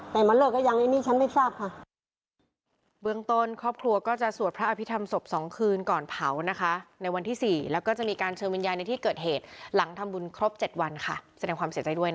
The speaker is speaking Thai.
แต่มันเลิกก็ยังไอ้นี่ฉันไม่ทราบค่ะ